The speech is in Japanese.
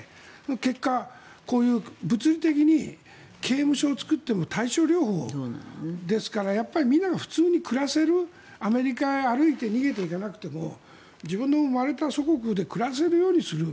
結果、こういう物理的に刑務所を作っても対症療法ですからみんなが普通に暮らせるアメリカへ歩いて逃げていかなくても自分の生まれた祖国で暮らせるようにする。